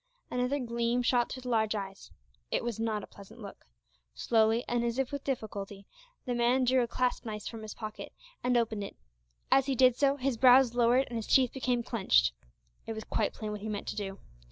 Another gleam shot through the large eyes. It was not a pleasant look. Slowly, and as if with difficulty, the man drew a clasp knife from his pocket, and opened it. As he did so, his brows lowered and his teeth became clenched. It was quite plain what he meant to do.